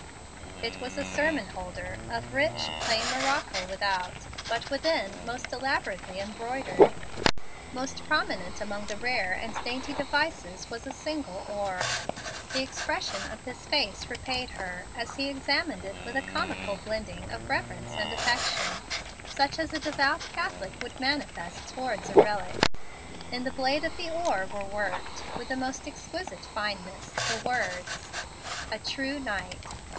It was a sermon holder, of rich, plain morocco without, but within, most elaborately embroidered. Most prominent among the rare and dainty devices was a single oar. The expression of his face repaid her, as he examined it with a comical blending of reverence and affection, such as a devout Catholic would manifest towards a relic. In the blade of the oar were worked, with the most exquisite fineness, the words, "A True Knight."